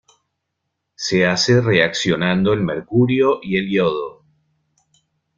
Se hace reaccionando el mercurio y el yodo.